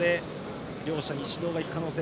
両者に指導が行く可能性。